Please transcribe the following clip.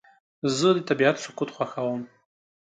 زه د طبیعت سکوت خوښوم.